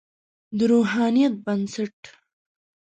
د روحانیت بنسټ.